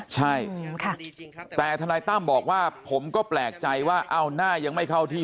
ใช่แต่ทนายตั้มบอกว่าผมก็แปลกใจว่าเอาหน้ายังไม่เข้าที่